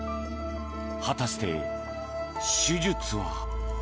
果たして手術は。